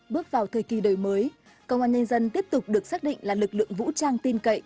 bước vào thời kỳ đời mới công an nhân dân tiếp tục được xác định là lực lượng vũ trang tin cậy